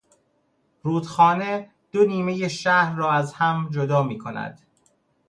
رودخانه دو نیمهی شهر را از هم جدا میکند.